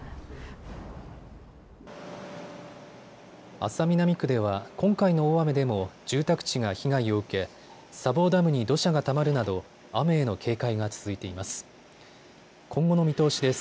安佐南区では今回の大雨でも住宅地が被害を受け砂防ダムに土砂がたまるなど雨への警戒が続いています。